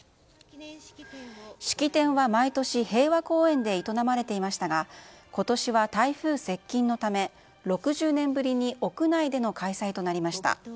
式典は毎年、平和公園で営まれていましたが今年は台風接近のため６０年ぶりに屋内での開催となりました。